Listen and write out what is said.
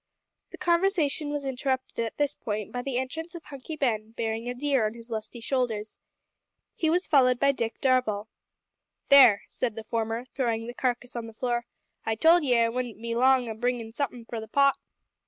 The conversation was interrupted at this point by the entrance of Hunky Ben bearing a deer on his lusty shoulders. He was followed by Dick Darvall. "There," said the former, throwing the carcass on the floor, "I told ye I wouldn't be long o' bringin' in somethin' for the pot."